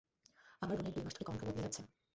আমার বোনের দুই মাস ধরে কণ্ঠ বদলে যাচ্ছে।